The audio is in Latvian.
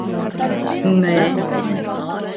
Nē.